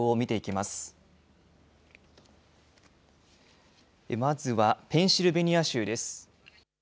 まずはペンシルベニア州です。